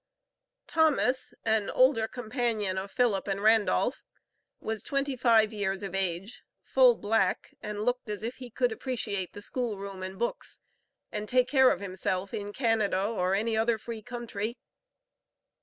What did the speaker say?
Thomas, an older companion of Philip and Randolph, was twenty five years of age, full black, and looked as if he could appreciate the schoolroom and books, and take care of himself in Canada or any other free country.